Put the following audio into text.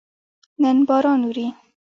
نن باران اوري